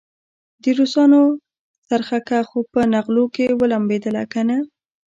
د روسانو څرخکه خو په نغلو کې ولمبېدله کنه.